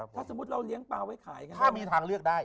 งานได้อย่าทำอันนะ